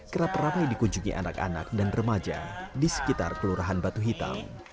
kerap ramai dikunjungi anak anak dan remaja di sekitar kelurahan batu hitam